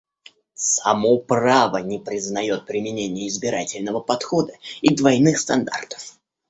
Само право не признает применения избирательного подхода и двойных стандартов.